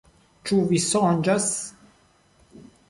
Ĉu vi sonĝas?